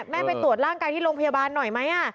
ไปตรวจร่างกายที่โรงพยาบาลหน่อยไหม